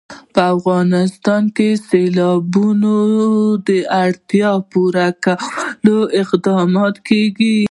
په افغانستان کې د سیلابونو د اړتیاوو پوره کولو اقدامات کېږي.